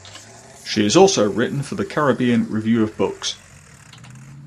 She has also written for the "Caribbean Review of Books".